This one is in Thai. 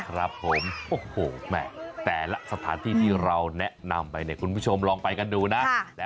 ครับผมแต่ละสถานที่เราแนะนำไปคุณผู้ชมลองไปกันดูนะ